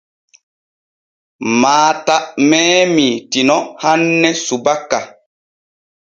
Maata meemii Tino hanne subaka.